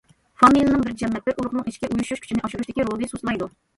فامىلىنىڭ بىر جەمەت، بىر ئۇرۇقنىڭ ئىچكى ئۇيۇشۇش كۈچىنى ئاشۇرۇشتىكى رولى سۇسلايدۇ.